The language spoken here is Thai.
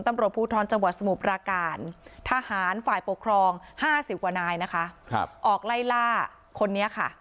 ตำรวจภูทรจังหวัดสมุทรปราการทหารฝ่ายปกครอง๕๐กว่านายนะคะออกไล่ล่าคนนี้ค่ะ